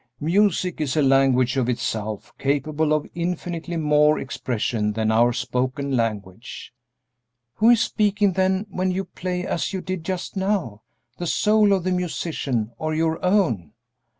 "Music is a language of itself, capable of infinitely more expression than our spoken language." "Who is speaking, then, when you play as you did just now the soul of the musician or your own?"